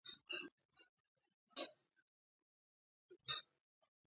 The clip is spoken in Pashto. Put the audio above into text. او کله د عادي عمر د برخې په توګه